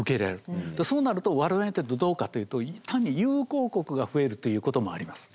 そうなると我々に一体どうかっていうと単に友好国が増えるということもあります。